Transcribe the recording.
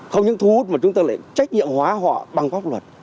không những thu hút mà chúng ta lại trách nhiệm hóa họ bằng pháp luật